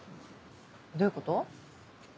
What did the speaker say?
どういうこと？